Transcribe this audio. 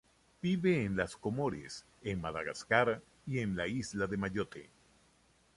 Vive en las Comores, en Madagascar y en la isla de Mayotte.